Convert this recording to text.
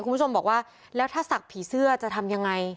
คุณผู้ชมบอกว่าแล้วถ้าศักดิ์ผีเสื้อจะทำยังไง